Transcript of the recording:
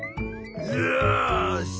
よし！